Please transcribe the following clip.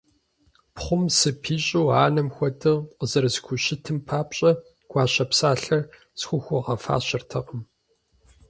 Пхъум сыпищӀу анэм хуэдэу къызэрисхущытым папщӀэ гуащэ псалъэр схухуэгъэфащэртэкъым.